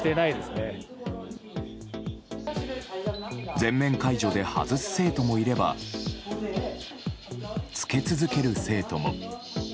全面解除で外す生徒もいれば着け続ける生徒も。